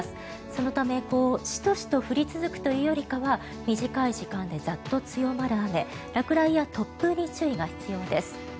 そのため、シトシト降り続くというよりかは短い時間でザッと強まる雨落雷や突風に注意が必要です。